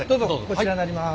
こちらになります。